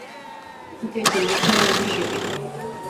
Natekereje ko urangije ibi.